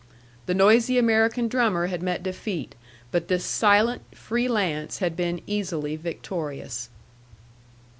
The noisy American drummer had met defeat, but this silent free lance had been easily victorious.